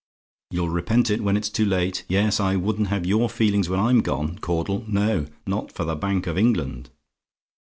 You'll repent it when it's too late: yes, I wouldn't have your feelings when I'm gone, Caudle; no, not for the Bank of England.